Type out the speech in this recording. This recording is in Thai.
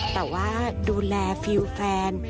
แต่ว่าดูแลฟิลแฟน